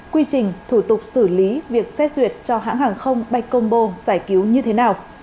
quy trình thủ tục xử lý việc xét duyệt cho hãng hàng không bay côngbo giải cứu như thế nào